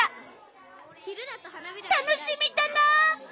楽しみだな！